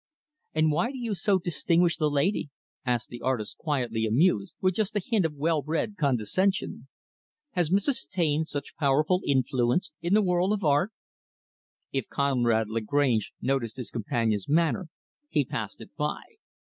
"And why do you so distinguish the lady?" asked the artist, quietly amused with just a hint of well bred condescension. "Has Mrs. Taine such powerful influence in the world of art?" If Conrad Lagrange noticed his companion's manner he passed it by.